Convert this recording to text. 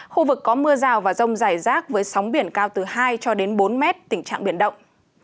khu vực có mưa rào và rông dài rác với sóng biển cao từ hai cho đến bốn mét tình trạng biển động